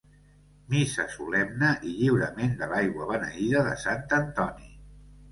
Missa solemne i lliurament de l'aigua beneïda de Sant Antoni.